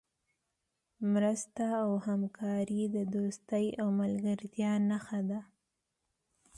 مرسته او همکاري د دوستۍ او ملګرتیا نښه ده.